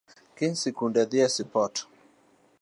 Kiny sikunde dhi e sipot